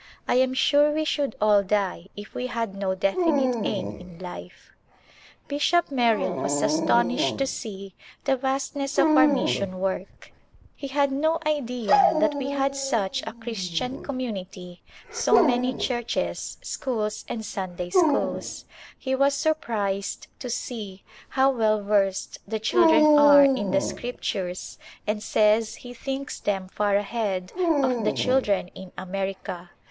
I am sure we should all die if we had no defi nite aim in life. Bishop Merrill was astonished to see the vastness of our mission work ; he had no idea that we had such a Christian community, so many churches, schools and Visitors From A7nerica Sunday schools. He was surprised to see how well versed the children are in the Scriptures and says he thinks them far ahead of the children in America.